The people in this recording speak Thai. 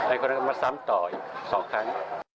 คนนั้นก็มาซ้ำต่ออีก๒ครั้ง